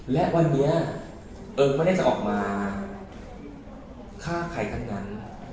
และวันนี้เอิงไม่ได้จะออกมาฆ่าใครทั้งนั้น